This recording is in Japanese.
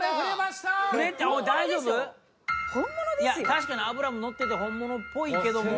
確かに脂ものってて本物っぽいけども。